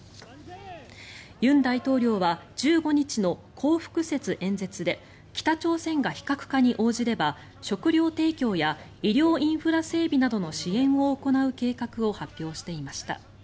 尹大統領は１５日の光復節演説で北朝鮮が非核化に応じれば食糧提供や医療インフラ整備などの支援を行う計画を発表していました。